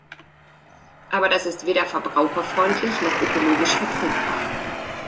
Aber das ist weder verbraucherfreundlich noch ökologisch vertretbar.